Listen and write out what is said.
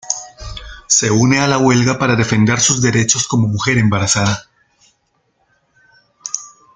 Se une a la huelga para defender sus derechos como mujer embarazada.